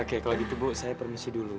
eh oke kalo gitu bu saya permisi dulu